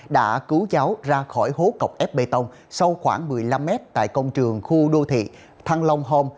đã cứu cháu ra khỏi hố cọc ép bê tông sâu khoảng một mươi năm mét tại công trường khu đô thị thăng long home